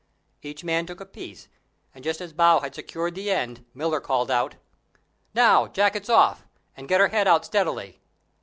Each man took a piece; and just as Bow had secured the end, Miller called out, "Now, jackets off, and get her head out steadily."